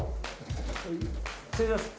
失礼します。